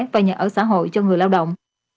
và nhà ở xã hội cho người lao động